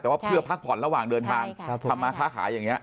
แต่ว่าเพื่อพักผ่อนระหว่างเดินทางทำมาค้าขายอย่างนี้